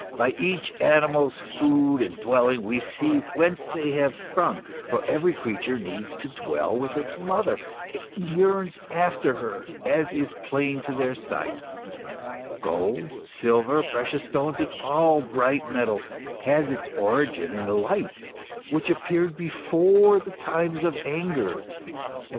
By each animal's food and dwelling we see whence they have sprung, for every creature needs to dwell with its mother, and yearns after her, as is plain to the sight," " Gold, silver, precious stones, and all bright metal, has its origin in the light, which appeared before the times of anger," &c.